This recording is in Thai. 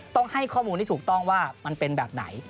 ต้องให้ข้อมูลที่ถูกต้องว่ามันเป็นแบบไหน